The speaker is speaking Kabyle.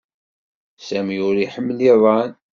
Sami ur iḥmil iḍan